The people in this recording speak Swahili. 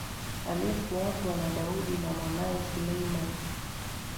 aliyefuatwa na Daudi na mwanae Suleimani